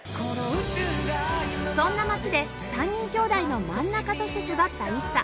そんな町で３人きょうだいの真ん中として育った ＩＳＳＡ